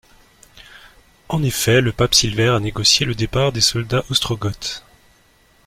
En effet, le pape Silvère a négocié le départ des soldats ostrogoths.